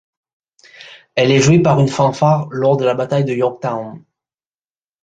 Elle est jouée par une fanfare lors de la bataille de Yorktown.